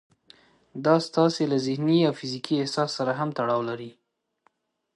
دا ستاسې له ذهني او فزيکي احساس سره هم تړاو لري.